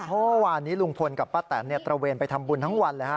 เมื่อวานนี้ลุงพลกับป้าแตนตระเวนไปทำบุญทั้งวันเลยฮ